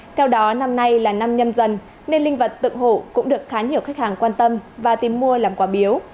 theo đó năm nay là năm nhâm dần nên linh vật tự hổ cũng được khá nhiều khách hàng quan tâm và tìm mua làm quả biếu